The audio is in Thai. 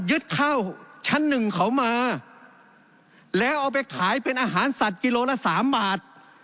ข้าวชั้นหนึ่งเขามาแล้วเอาไปขายเป็นอาหารสัตว์กิโลละสามบาท